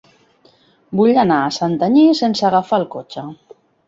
Vull anar a Santanyí sense agafar el cotxe.